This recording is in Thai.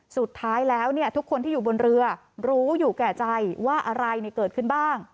สุดท้ายแล้วทุกคนที่อยู่บนเรือรู้อยู่แก่ใจว่าอะไรเกิดขึ้นบ้าง